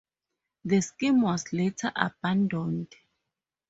The scheme was later abandoned.